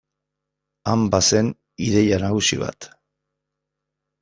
Han bazen ideia nagusi bat.